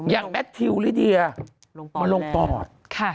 อย่างแมททิวลิเดียมาลงปอด